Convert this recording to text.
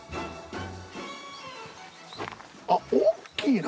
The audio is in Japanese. あっ大きいな。